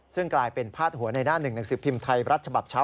ซึ่งกลายเป็นพาดหัวในหน้าหนึ่งหนังสือพิมพ์ไทยรัฐฉบับเช้า